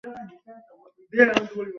কারণ এটা তারা খুশিমনে করবে।